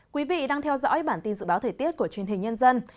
quý vị đang theo dõi bản tin dự báo thời tiết của truyền hình nhân dân